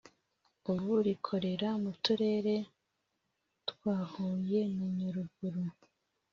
ubu rikorere mu Turere twa Huye na Nyaruguru